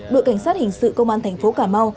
đội cảnh sát hình sự công an thành phố cà mau